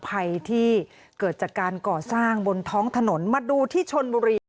ภัยที่เกิดจากการก่อสร้างบนท้องถนนมาดูที่ชนบุรี